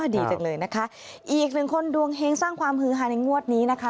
ดีจังเลยนะคะอีกหนึ่งคนดวงเฮงสร้างความฮือฮาในงวดนี้นะคะ